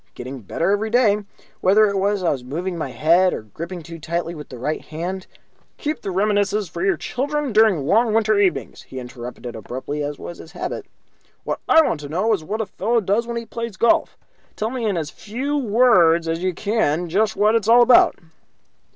Getting better every day. Whether it was that I was moving my head or gripping too tightly with the right hand " "Keep the reminiscences for your grandchildren during the long winter evenings," he interrupted, abruptly, as was his habit. "What I want to know is what a fellow does when he plays golf. Tell me in as few words as you can just what it's all about."